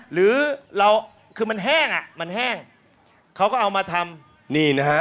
หรือเราคือมันแห้งอ่ะมันแห้งเขาก็เอามาทำนี่นะฮะ